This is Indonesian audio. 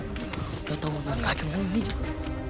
udah tau orang kaki ngomong ini juga